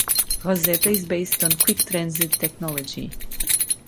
Rosetta is based on QuickTransit technology.